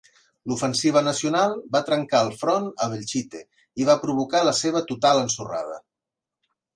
L'ofensiva nacional va trencar el front a Belchite i va provocar la seva total ensorrada.